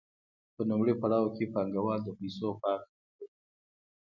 په لومړي پړاو کې پانګوال د پیسو پانګه بدلوي